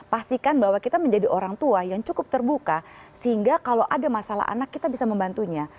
pastikan bahwa kita menjadi orang tua yang cukup terbuka sehingga kalau ada masalah anak kita bisa membantunya